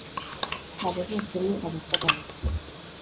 Abo bose ni abapagani